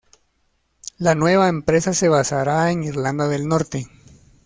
La nueva empresa se basará en Irlanda del Norte.